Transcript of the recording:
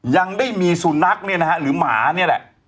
ยังได้มีสุนัขหรือหมาเนี่ยแหละ